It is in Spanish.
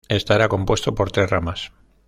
Estará compuesta por tres ramas.